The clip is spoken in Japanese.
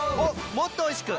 もっとおいしく！